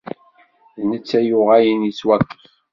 D netta i yuɣalen yettwaṭṭef.